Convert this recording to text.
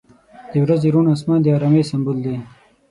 • د ورځې روڼ آسمان د آرامۍ سمبول دی.